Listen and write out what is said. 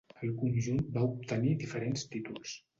El conjunt va obtenir diferents títols.